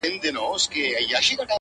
o ته به نسې سړی زما د سترګو توره,